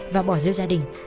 và bỏ giữa gia đình